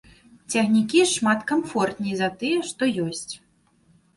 Цягнікі шмат камфортней за тыя, што ёсць.